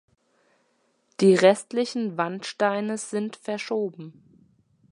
Die restlichen Wandsteine sind verschoben.